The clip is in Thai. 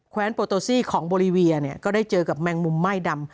แคว้นโปรโตซีของบอลิเวียก็ได้เจอกับแมงมุมแม่ม่ายดำ